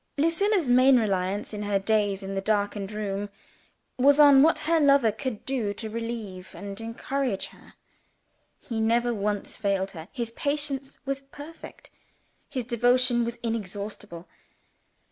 Lucilla's main reliance in her days in the darkened room, was on what her lover could do to relieve and to encourage her. He never once failed her; his patience was perfect; his devotion was inexhaustible.